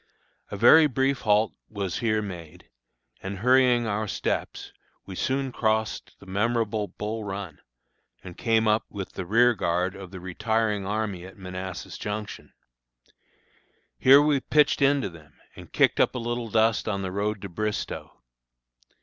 A very brief halt was here made, and, hurrying our steps, we soon crossed the memorable Bull Run, and came up with the rearguard of the retiring army at Manassas Junction. Here we pitched into them, and kicked up a little dust on the road to Bristoe.